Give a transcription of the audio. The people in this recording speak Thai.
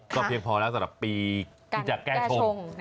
เพียงพอแล้วสำหรับปีที่จะแก้ชม